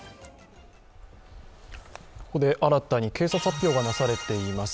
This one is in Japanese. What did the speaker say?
ここで新たに警察発表がなされています。